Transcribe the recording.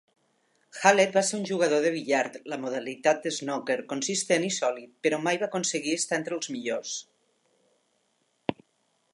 Hallett va ser un jugador de billar de la modalitat "snooker" consistent i sòlid, però mai va aconseguir estar entre els millors.